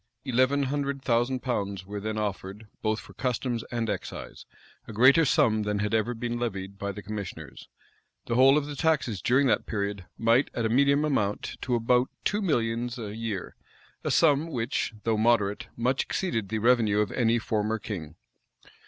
Eleven hundred thousand pounds were then offered, both for customs and excise, a greater sum than had ever been levied by the commissioners:[] the whole of the taxes during that period might at a medium amount to above two millions a year; a sum which, though moderate, much exceeded the revenue of any former king.